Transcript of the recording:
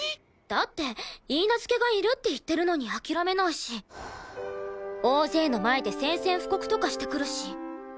だって許嫁がいるって言ってるのに諦めないし大勢の前で宣戦布告とかしてくるし